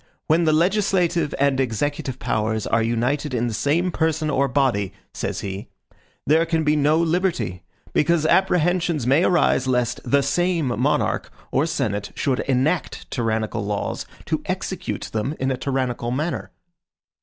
"When the legislative and executive powers are united in the same person or body," says he, "there can be no liberty, because apprehensions may arise lest THE SAME monarch or senate should ENACT tyrannical laws to EXECUTE them in a tyrannical manner."